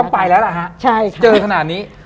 ต้องไปแล้วละฮะเจอขนาดนี้